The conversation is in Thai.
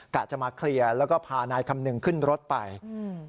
กะจะมาเคลียร์แล้วก็พานายคำนึงขึ้นรถไปอืม